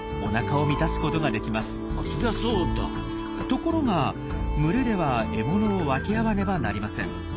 ところが群れでは獲物を分け合わねばなりません。